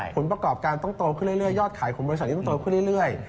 ผลประกอบการต้องโตขึ้นเรื่อยยอดขายของบริษัทนี้ต้องโตขึ้นเรื่อย